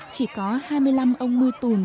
chỉ có hai mươi năm ông mưu tùn